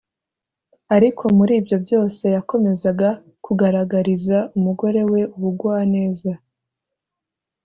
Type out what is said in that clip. Ariko muri ibyo byose yakomezaga kugaragariza umugore we ubugwaneza.